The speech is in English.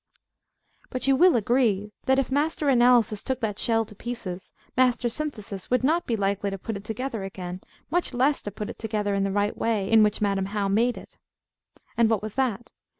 But you will agree that, if Master Analysis took that shell to pieces, Master Synthesis would not be likely to put it together again; much less to put it together in the right way, in which Madam How made it. And what was that?